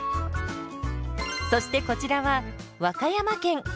そしてこちらは和歌山県。